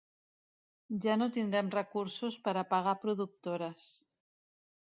Ja no tindrem recursos per a pagar productores.